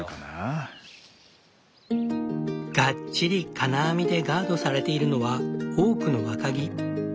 がっちり金網でガードされているのはオークの若木。